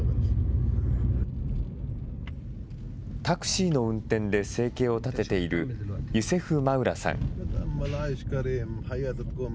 タクシーの運転で生計を立てているユセフ・マウラさん。